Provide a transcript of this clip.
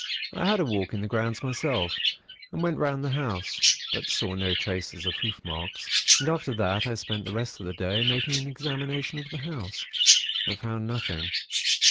"I had a walk in the grounds myself, and went round the house, but saw no traces of hoof marks; and after that, I spent the rest of the day, making an examination of the house; but found nothing.